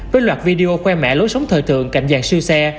với loạt video khoe mẹ lối sống thời thường cạnh dàn siêu xe